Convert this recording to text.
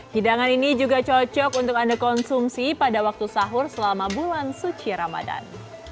hidangan ini juga cocok untuk anda konsumsi pada waktu sahur selama bulan suci ramadan